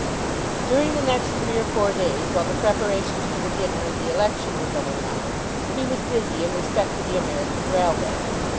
During the next three or four days, while the preparations for the dinner and the election were going on, he was busy in respect to the American railway.